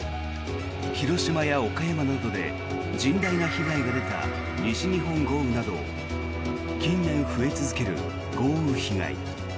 広島や岡山などで甚大な被害が出た西日本豪雨など近年増え続ける豪雨被害。